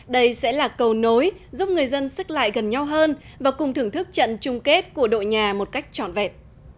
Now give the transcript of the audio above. đây sẽ là cầu nối giúp người dân xích lại gần nhau hơn và cùng thưởng thức trận chung kết của đội nhà một cách trọn vẹn